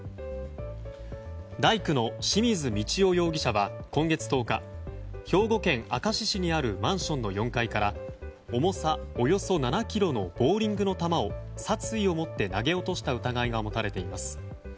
大工の清水道雄容疑者は今月１０日兵庫県明石市にあるマンションの４階から重さおよそ７ｋｇのボウリングの球を殺意を持って投げ落とした疑いが持たれています。